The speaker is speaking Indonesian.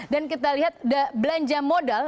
dan kita lihat belanja modal